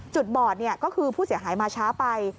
บอดก็คือผู้เสียหายมาช้าไป